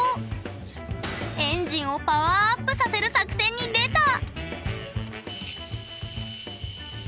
エンジンをパワーアップさせる作戦に出た！